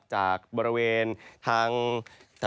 จากบริเวณทาง